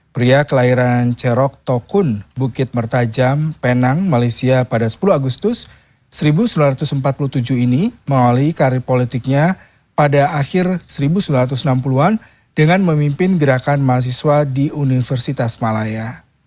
pria kelahiran cerok tokun bukit mertajam penang malaysia pada sepuluh agustus seribu sembilan ratus empat puluh tujuh ini mengawali karir politiknya pada akhir seribu sembilan ratus enam puluh an dengan memimpin gerakan mahasiswa di universitas malaya